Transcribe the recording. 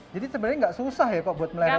jadi sebenarnya enggak susah ya pak buat melihat ini